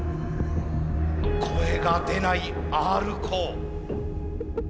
声が出ないＲコー。